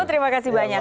terima kasih banyak